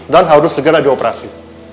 dan harus segera dioperasi